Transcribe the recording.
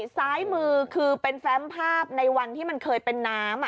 ซ้ายมือคือเป็นแฟมภาพในวันที่มันเคยเป็นน้ำ